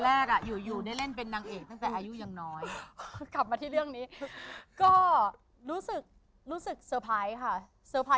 หรือคิดว่าทำได้ไหม